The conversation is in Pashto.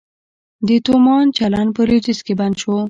د تومان چلند په لویدیځ کې بند شو؟